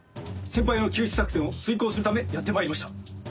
先輩の救出作戦を遂行するためやってまいりました。